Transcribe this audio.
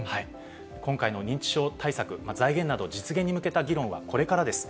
今回の認知症対策、財源など、実現に向けた議論はこれからです。